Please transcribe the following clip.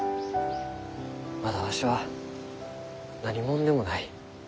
まだわしは何者でもない。